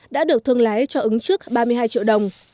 đã được thương lái cho ứng trước ba mươi hai triệu đồng